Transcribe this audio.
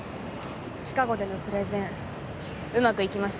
シカゴでのプレゼンうまくいきました。